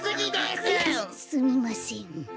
すすみません。